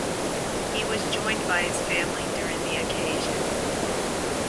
He was joined by his family during the occasion.